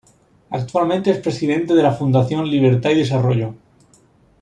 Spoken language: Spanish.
Actualmente es presidente de la Fundación Libertad y Desarrollo.